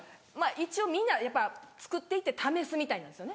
一応みんなやっぱ作っていって試すみたいなんですよね。